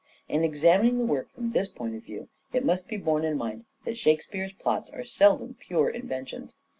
In examining the work from this point of view it must be borne in mind that Shakespeare's plots are seldom pure inventions.